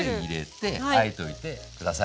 あえといて下さい。